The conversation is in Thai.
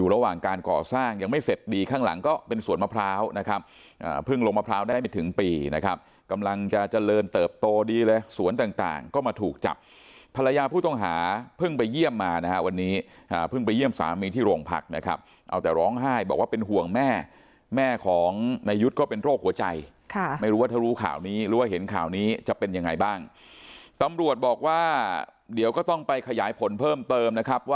ออกสร้างยังไม่เสร็จดีข้างหลังก็เป็นสวนมะพร้าวนะครับอ่าพึ่งลงมะพร้าวได้ไปถึงปีนะครับกำลังจะเจริญเติบโตดีเลยสวนต่างต่างก็มาถูกจับภรรยาผู้ต้องหาเพิ่งไปเยี่ยมมานะฮะวันนี้อ่าเพิ่งไปเยี่ยมสามีที่โรงผักนะครับเอาแต่ร้องไห้บอกว่าเป็นห่วงแม่แม่ของนายยุทธ์ก็เป็นโรคหัวใ